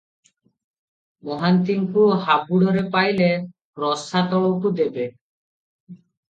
ମହାନ୍ତିଙ୍କୁ ହାବୁଡ଼ରେ ପାଇଲେ ରସାତଳକୁ ଦେବେ ।